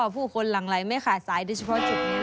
ผู้คนหลังไหลไม่ขาดสายแต่เฉพาะจุดนี้แหละ